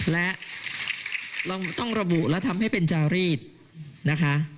และเราต้องระบุและทำให้เป็นจารีดนะคะ